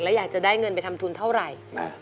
แล้วอยากจะได้เงินไปทำทุนเท่าไหร่